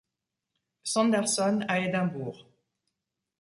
Sanderson à Édimbourg.